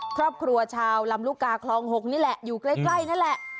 ครอบครัวชาวลำลูกกาคลอง๖นี่แหละอยู่ใกล้นั่นแหละ